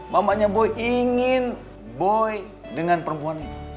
mamanya boy ingin boy dengan perempuan itu